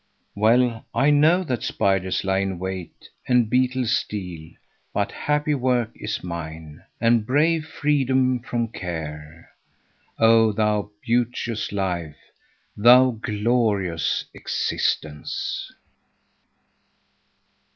"Well I know that spiders lie in wait and beetles steal, but happy work is mine, and brave freedom from care. Oh, thou beauteous life, thou glorious existence!"